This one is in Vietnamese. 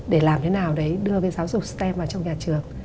để làm thế nào đấy đưa cái giáo dục stem vào trong nhà trường